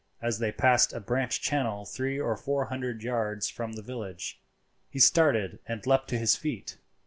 As they passed a branch channel three or four hundred yards from the village, he started and leapt to his feet.